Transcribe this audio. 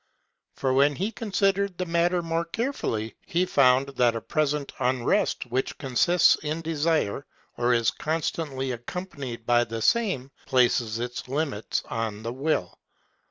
For when he considered the matter more carefully, he found that a present unrest which consists in desire or is constantly accompanied by the same, places its limits upon the will.